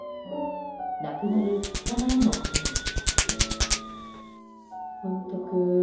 亡くなる２日前のことです。